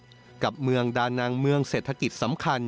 ของประเทศกับเมืองดานางเมืองเศรษฐกิจสำคัญ